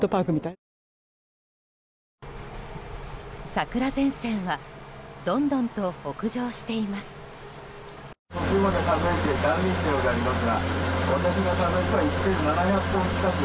桜前線はどんどんと北上しています。